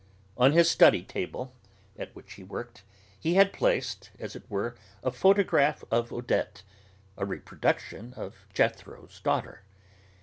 On his study table, at which he worked, he had placed, as it were a photograph of Odette, a reproduction of Jethro's Daughter.